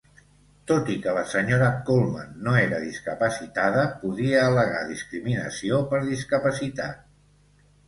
Tot i que la senyora Coleman no era discapacitada, podia al·legar discriminació per discapacitat.